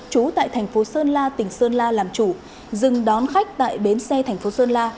trú tại thành phố sơn la tỉnh sơn la làm chủ dừng đón khách tại bến xe thành phố sơn la